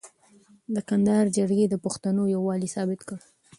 د کندهار جرګې د پښتنو یووالی ثابت کړ.